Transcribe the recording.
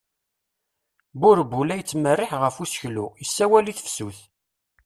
Burebbu la yettmerriiḥ ɣef useklu, issawal i tefsut.